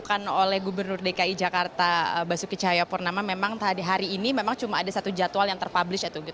yang dilakukan oleh gubernur dki jakarta basuki cahayapurnama memang hari ini memang cuma ada satu jadwal yang terpublish